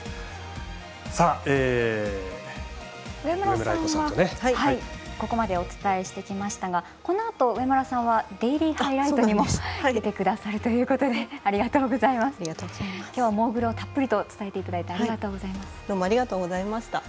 上村さんは、ここまでお伝えしてきましたがこのあと上村さんは「デイリーハイライト」にも出てくださるということでありがとうございます。